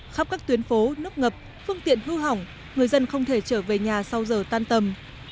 khắp các tuyến phố nước ngập phương tiện hư hỏng người dân không thể trở về nhà sau giờ tan tầm